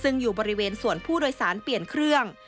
ซึ่งอยู่บริเวณส่วนผู้โดยสารเปลี่ยนเครื่อง